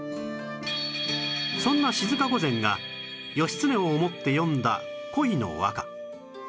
そんな静御前が義経を思って詠んだ恋の和歌